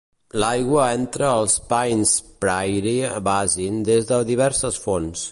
L'aigua entra al Paynes Prairie Basin des de diverses fonts.